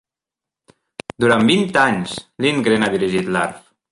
Durant vint anys, Lindgren ha dirigit l'Arf!